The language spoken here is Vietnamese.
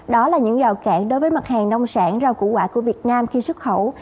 đó là những rào cản đối với mặt hàng nông sản rau củ quả của việt nam khi xuất khẩu